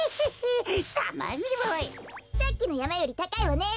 さっきのやまよりたかいわね。